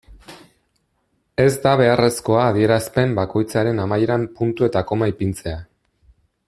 Ez da beharrezkoa adierazpen bakoitzaren amaieran puntu eta koma ipintzea.